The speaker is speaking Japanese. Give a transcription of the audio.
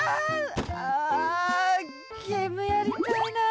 あゲームやりたいな。